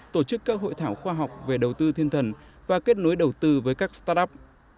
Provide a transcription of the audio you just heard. tổ chức các hội thảo khoa học về đầu tư thiên thần và kết nối đầu tư với các start up